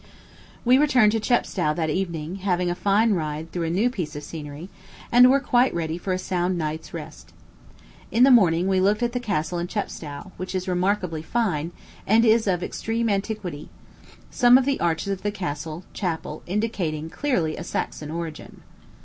We returned to Chepstow that evening, having a fine ride through a new piece of scenery, and were quite ready for a sound night's rest. In the morning we looked at the castle in Chepstow, which is remarkably fine, and is of extreme antiquity; some of the arches of the castle chapel indicating clearly a Saxon origin.